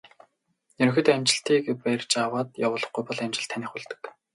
Ерөнхийдөө амжилтыг барьж аваад явуулахгүй бол амжилт таных болдог.